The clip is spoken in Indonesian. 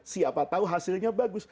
siapa tahu hasilnya bagus